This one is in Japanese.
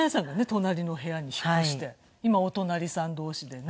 隣の部屋に引っ越して今お隣さん同士でね。